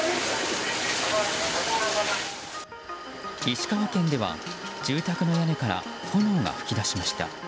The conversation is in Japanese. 石川県では、住宅の屋根から炎が噴き出しました。